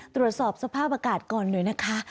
ตรวจสอบสภาพอากาศก่อนหน่อยนะคะ